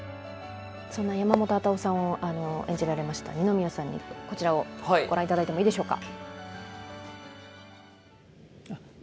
山本幡男さんを演じられました二宮さんにこちらをご覧いただいてもいいでしょうか。